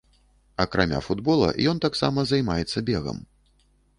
Акрамя футбола, ён таксама займаецца бегам.